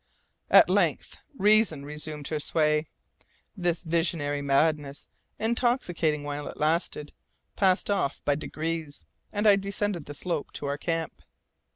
At length reason resumed her sway. This visionary madness, intoxicating while it lasted, passed off by degrees, and I descended the slope to our camp.